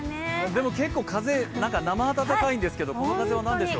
でも結構風、生暖かいんですが、この風は何でしょう？